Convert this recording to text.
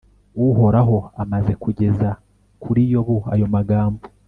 uhoraho amaze kugeza kuri yobu ayo magambo